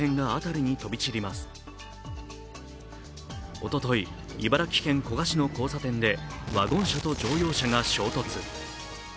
おととい、茨城県古河市の交差点でワゴン車と乗用車が衝突。